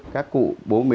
các cụ bố mế